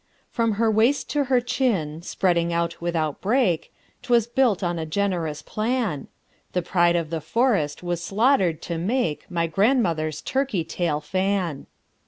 From her waist to her chin, spreading out without break, 'Twas built on a generous plan: The pride of the forest was slaughtered to make My grandmother's turkey tail fan.